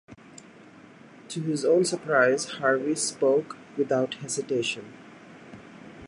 To his own surprise Harvey spoke without hesitation.